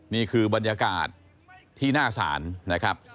นี่คือบรรยากาศที่หน้าศาลนะครับ